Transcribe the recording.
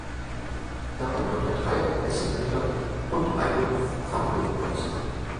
Dabei konnte er drei Pässe verhindern und einen Fumble verursachen.